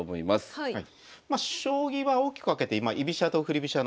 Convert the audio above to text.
はい。